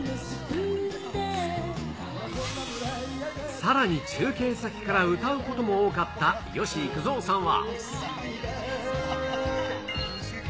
さらに中継先から歌うことも多かった吉幾三さんは。